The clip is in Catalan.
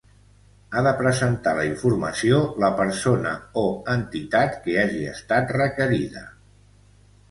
Ha de presentar la informació la persona o entitat que hagi estat requerida.